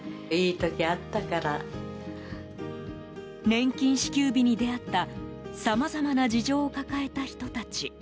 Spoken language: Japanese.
年金支給日に出会ったさまざまな事情を抱えた人たち。